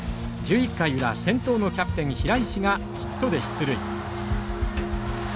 １１回裏先頭のキャプテン平石がヒットで出塁。